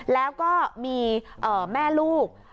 แล้วก็มีแม่ลูก